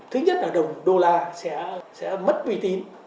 thứ nhất là đồng đô la sẽ mất uy tín